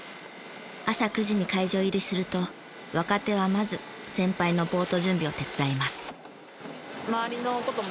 朝９時に会場入りすると若手はまず先輩のボート準備を手伝います。